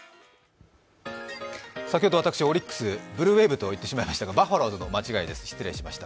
先ほど私、オリックスブルーウェーブと言ってしまいましたがバッファローズの間違いです、失礼しました。